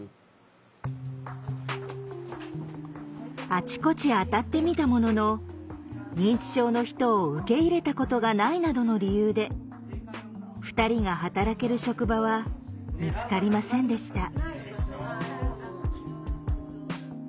あちこちあたってみたものの認知症の人を受け入れたことがないなどの理由で２人が働ける職場は見つかりませんでした。